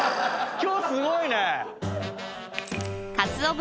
今日すごいね！